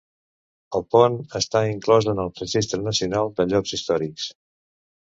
El pont està inclòs en el Registre Nacional de Llocs Històrics.